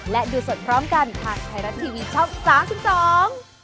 และดูสดพร้อมกันทางไทยรัฐทีวีช่อง๓๒